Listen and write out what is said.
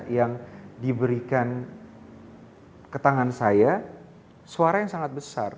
yang diberikan ke tangan saya suara yang sangat besar